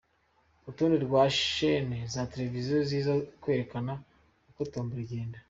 Urutonde rwa Shene za Televiziyo ziza kwerekana uko Tombola igenda.